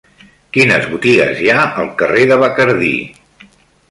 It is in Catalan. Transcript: Quines botigues hi ha al carrer de Bacardí?